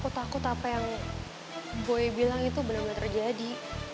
aku takut apa yang boy bilang itu benar benar terjadi